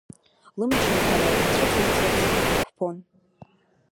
Лымчымхара лцәыҵымҵырц дықәԥон.